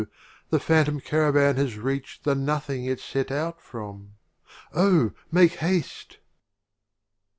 — the phantom Cara van has reach'd The Nothing it set out from — Oh, make haste